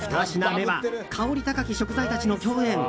２品目は香り高き食材たちの共演